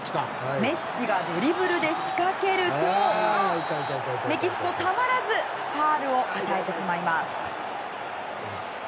メッシがドリブルで仕掛けるとメキシコたまらずファウルを与えてしまいます。